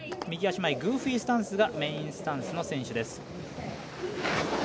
右足前、グーフィースタンスがメインスタンスの選手です。